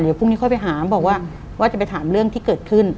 เดี๋ยวพรุ่งนี้ค่อยไปหาบอกว่าว่าจะไปถามเรื่องที่เกิดขึ้น